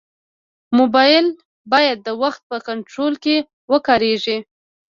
موبایل باید د وخت په کنټرول کې وکارېږي.